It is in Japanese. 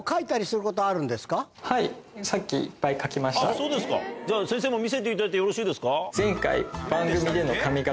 そうですかじゃあ先生も見せていただいてよろしいですか？